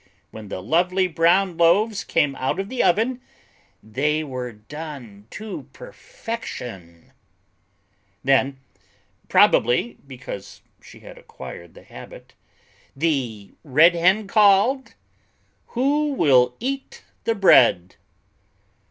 when the lovely brown loaves came out of the oven, they were done to perfection. Then, probably because she had acquired the habit, the Red Hen called: "Who will eat the Bread?"